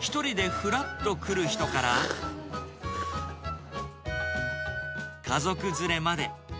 １人でふらっと来る人から、家族連れまで。